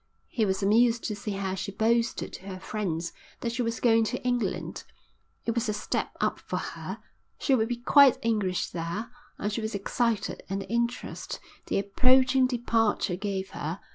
He was amused to see how she boasted to her friends that she was going to England; it was a step up for her; she would be quite English there; and she was excited at the interest the approaching departure gave her.